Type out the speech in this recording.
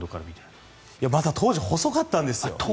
当時細かったんですよ。